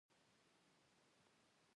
مه کوه په ما، چي وبه سي په تا